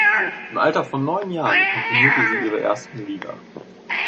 Im Alter von neun Jahren komponierte sie ihre ersten Lieder.